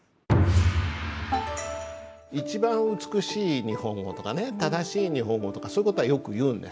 一番美しい日本語とかね正しい日本語とかそういう事はよく言うんです。